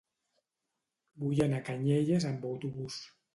Vull anar a Canyelles amb autobús.